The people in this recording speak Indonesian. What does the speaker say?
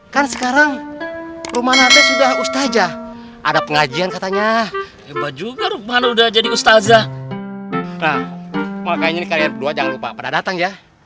kan sekarang rumahnya sudah ustazah ada pengajian katanya juga udah jadi ustazah